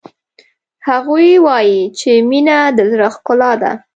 هغوی وایي چې مینه د زړه ښکلا ده